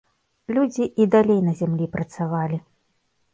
Людзі і далей на зямлі працавалі.